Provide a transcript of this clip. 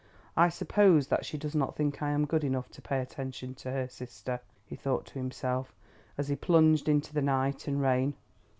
"I suppose that she does not think I am good enough to pay attention to her sister," he thought to himself as he plunged into the night and rain.